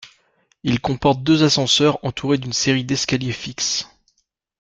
Il comporte deux ascenseurs entourés d'une série d'escaliers fixes.